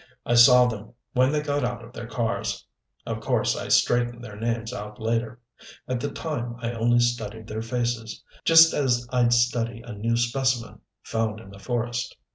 I saw them when they got out of their cars. Of course I straightened their names out later. At the time I only studied their faces just as I'd study a new specimen, found in the forest.